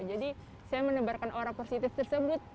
jadi saya menebarkan aura positif tersebut